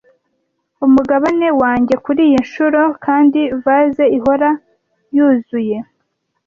Umugabane wanjye kuriyi nshuro. Kandi vase ihora yuzuye